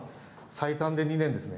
最短で２年ですね。